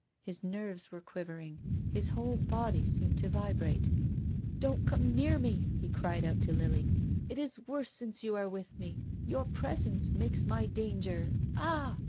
His nerves were quivering. His whole body seemed to vi brate. " Don't come near me," he cried out to Lily. " It is worse since you are with me. Your pres ence makes my danger. Ah